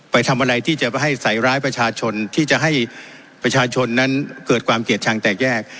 ไปทำอะไรที่จะให้ใส่ร้ายประชาชนที่จะให้ประชาชนนั้นเกิดความเกลียดชังแตกแยก